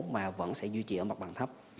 mà vẫn sẽ duy trì ở mặt bằng thấp